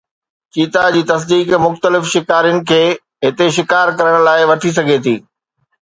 چيتا جي تصديق مختلف شڪارين کي هتي شڪار ڪرڻ لاءِ وٺي سگهي ٿي